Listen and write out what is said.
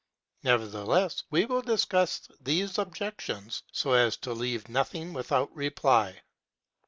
Nevertheless, we will discuss these objections, so as to leave nothing without reply.